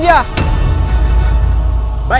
dia harus dihukum